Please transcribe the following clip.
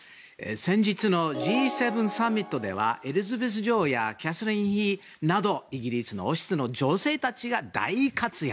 先日のＧ７サミットではエリザベス女王やキャサリン妃などイギリスの王室の女性たちが大活躍。